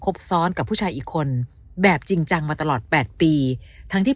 ซ้อนกับผู้ชายอีกคนแบบจริงจังมาตลอด๘ปีทั้งที่